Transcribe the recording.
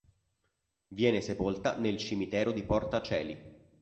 Viene sepolta nel cimitero di Porta Coeli.